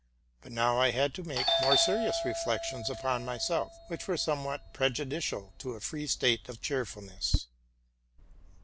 But now I had to make more serious reflections upon myself, which were somewhat prejudicial to a free state of cheerfulness.